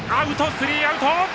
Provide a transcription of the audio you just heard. スリーアウト！